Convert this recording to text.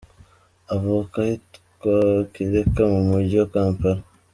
Avuka ahitwa Kireka mu mujyi wa Kampala.